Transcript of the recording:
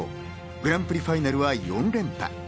グランプリファイナルは４連覇。